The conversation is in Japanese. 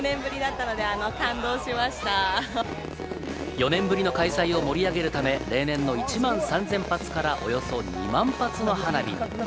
４年ぶりの開催を盛り上げるため、例年の１万３０００発からおよそ２万発の花火。